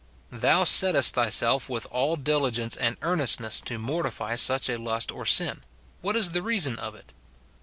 Thou settest thyself with all diligence and earn estness to mortify such a lust or sin ; what is the reason of it